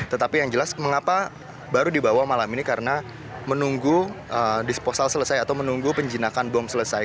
tetapi yang jelas mengapa baru dibawa malam ini karena menunggu disposal selesai atau menunggu penjinakan bom selesai